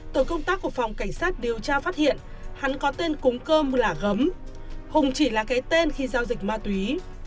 tổ công tác của phòng cảnh sát điều tra phát hiện hắn có tên cúng cơm là gấm hùng chỉ là cái tên khi giao dịch ma túy